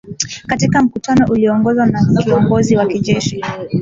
katika mkutano ulioongozwa na kiongozi wa kijeshi